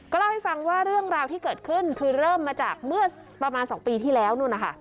เล่าให้ฟังว่าเรื่องราวที่เกิดขึ้นคือเริ่มมาจากเมื่อประมาณ๒ปีที่แล้วนู่นนะคะ